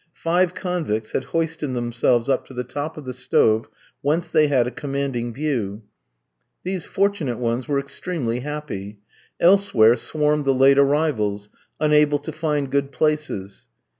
Five convicts had hoisted themselves up to the top of the stove, whence they had a commanding view. These fortunate ones were extremely happy. Elsewhere swarmed the late arrivals, unable to find good places.